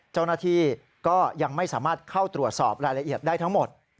เจ้าหน้าที่ก็ยังไม่สามารถเข้าตรวจสอบรายละเอียดได้ทั้งหมด